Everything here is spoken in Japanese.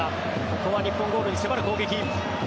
ここは日本ゴールに迫る攻撃。